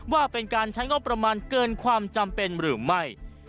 ว่าเป็นการใช้งบประมาณเกินความจำเป็นหรือไม่